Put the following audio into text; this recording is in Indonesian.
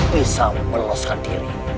bisa meloskan diri